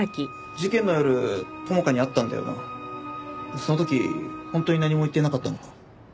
その時本当に何も言ってなかったのか？